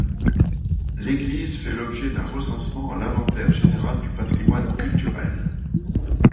L'église fait l’objet d’un recensement à l'Inventaire général du patrimoine culturel.